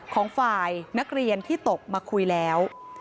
ของฝ่ายนักเรียนที่ตกมาคุยแล้ว